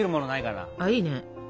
あいいね。